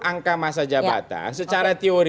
angka masa jabatan secara teori